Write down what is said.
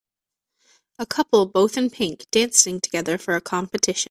A couple, both in pink, dancing together for a competition.